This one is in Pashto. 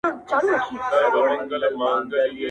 لا د چا سترگه په سيخ ايستل كېدله٫